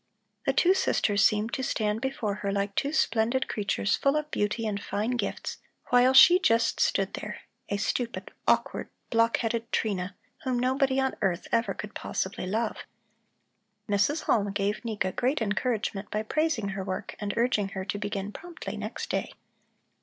The two sisters seemed to stand before her like two splendid creatures, full of beauty and fine gifts, while she stood there a stupid, awkward, block headed Trina, whom nobody on earth ever could possibly love. Mrs. Halm gave Nika great encouragement by praising her work and urging her to begin promptly next day.